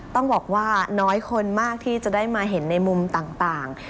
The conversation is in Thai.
ต้องบอกว่าน้อยคนมากที่จะได้มาเห็นในมุมต่าง